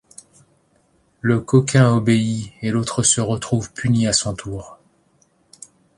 Le coquin obéit et l'autre se retrouve puni à son tour.